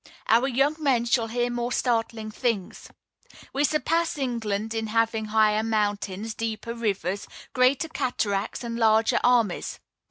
Our young men shall hear more startling things. We surpass England in having higher mountains, deeper rivers, greater cataracts, and larger armies.